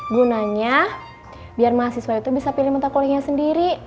gunanya biar mahasiswa itu bisa pilih mata kuliahnya sendiri